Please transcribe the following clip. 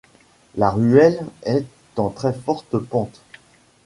La ruelle est en très forte pente.